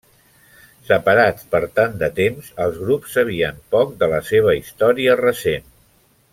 Separats per tant de temps, els grups sabien poc de la seva història recent.